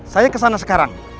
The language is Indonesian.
saya kesana sekarang